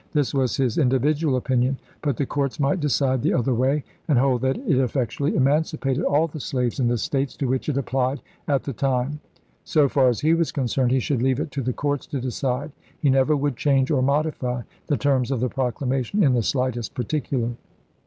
This was his individual opinion, but the courts might decide the other way, and hold that it effectually emancipated all the slaves in the States to which it applied at 124 ABKAHAM LINCOLN Stephens, " War between the States.' Vol. II., pp. 610, 611 chap. vi. the time. So far as he was concerned, he should leave it to the courts to decide. He never would change or modify the terms of the proclamation in the slightest particular."